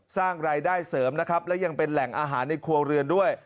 สร้างรายได้เสริมนะครับและยังเป็นแหล่งอาหารในครัวเรือนด้วย